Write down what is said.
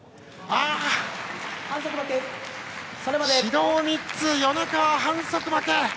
指導３つ、米川が反則負け！